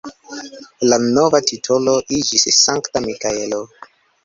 La nova titolo iĝis Sankta Mikaelo.